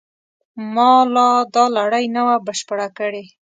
ما لا دا لړۍ نه وه بشپړه کړې.